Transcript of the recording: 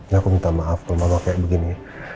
nah aku minta maaf kalau mama kayak begini